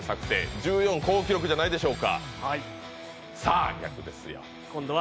１４、好記録じゃないでしょうか。